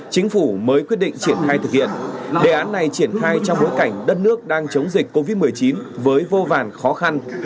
chính phủ mới quyết định triển khai thực hiện đề án này triển khai trong bối cảnh đất nước đang chống dịch covid một mươi chín với vô vàn khó khăn